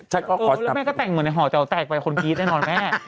แล้วแม่ก็แต่งเหมือนหอเจลแตกคนผีแน่นอนแม่